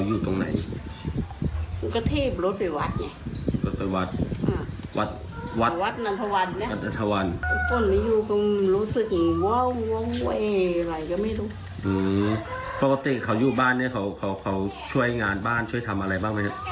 ปกติเขาอยู่บ้านเนี่ยเขาช่วยงานบ้านช่วยทำอะไรบ้างไหมครับ